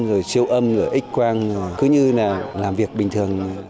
rồi siêu âm rồi x quang cứ như là làm việc bình thường